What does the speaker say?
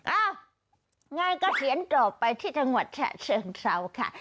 อ้าวงานเกษียณต่อไปที่ถ้างวัดชะเชิงเศร้าค่ะ